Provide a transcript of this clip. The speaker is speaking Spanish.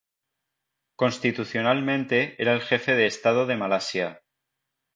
Constitucionalmente, era el jefe de estado de Malasia.